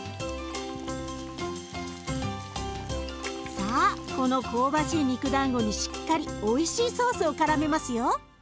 さあこの香ばしい肉だんごにしっかりおいしいソースをからめますよ。